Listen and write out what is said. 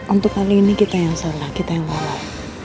untuk kali ini kita yang salah kita yang salah